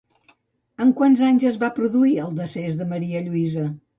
Amb quants anys es va produir el decés de Maria Luisa?